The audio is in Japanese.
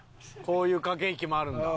こういう駆け引きもあるんだ。